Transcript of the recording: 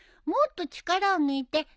もっと力を抜いて。